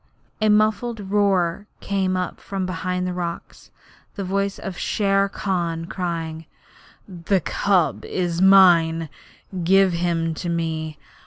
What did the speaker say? A muffled roar came up from behind the rocks the voice of Shere Khan crying: 'The cub is mine. Give him to me.